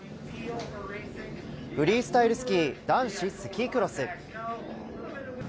フリースタイルスキー男子スキークロス。